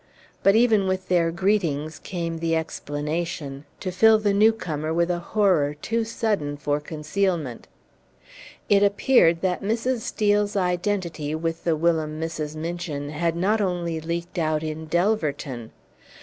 But even with their greetings came the explanation, to fill the newcomer with a horror too sudden for concealment. It appeared that Mrs. Steel's identity with the whilom Mrs. Minchin had not only leaked out in Delverton.